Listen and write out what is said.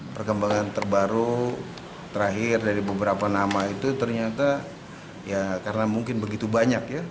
perkembangan terbaru terakhir dari beberapa nama itu ternyata ya karena mungkin begitu banyak ya